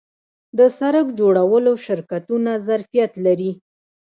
د سرک جوړولو شرکتونه ظرفیت لري؟